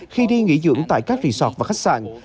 khi đi nghỉ dưỡng tại các resort và khách sạn